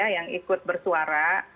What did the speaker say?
yang ikut bersuara